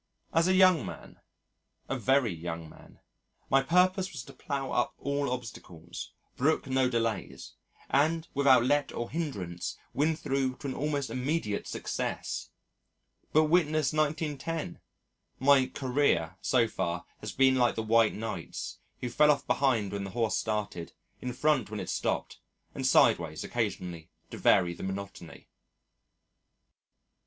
As a young man a very young man my purpose was to plough up all obstacles, brook no delays, and without let or hindrance win through to an almost immediate success! But witness 1910! "My career" so far has been like the White Knight's, who fell off behind when the horse started, in front when it stopped, and sideways occasionally to vary the monotony.